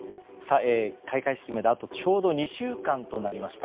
開会式まで、あとちょうど２週間となりました。